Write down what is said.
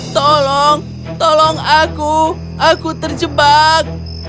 tolong tolong aku aku terjebak